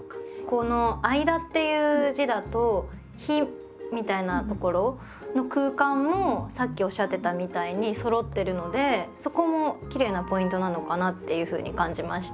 この「間」っていう字だと「日」みたいなところの空間もさっきおっしゃってたみたいにそろってるのでそこもきれいなポイントなのかなっていうふうに感じました。